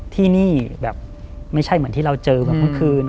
ที่นี่แบบไม่ใช่เหมือนที่เราเจอแบบเมื่อคืน